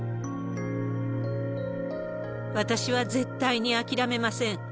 私は絶対に諦めません。